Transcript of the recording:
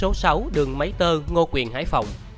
điện tử số sáu đường máy tơ ngô quyền hải phòng